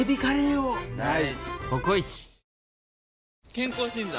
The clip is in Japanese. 健康診断？